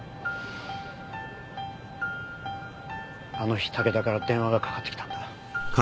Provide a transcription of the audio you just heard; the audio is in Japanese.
あの日武田から電話がかかってきたんだ。